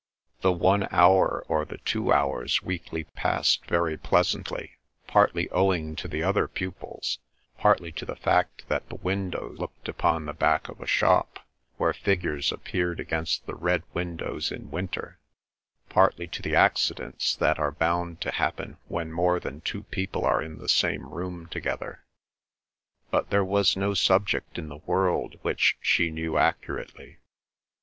The one hour or the two hours weekly passed very pleasantly, partly owing to the other pupils, partly to the fact that the window looked upon the back of a shop, where figures appeared against the red windows in winter, partly to the accidents that are bound to happen when more than two people are in the same room together. But there was no subject in the world which she knew accurately.